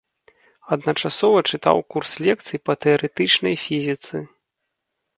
Адначасова чытаў курс лекцый па тэарэтычнай фізіцы.